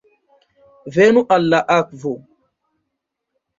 Venu al la akvo!